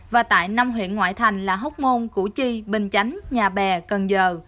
và tại năm huyện ngoại thành là hốc môn củ chi bình chánh nhà bè cần giờ